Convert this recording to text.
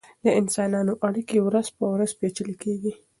د انسانانو اړیکې ورځ په ورځ پیچلې کیږي.